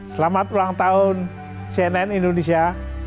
selamat ulang tahun cnn indonesia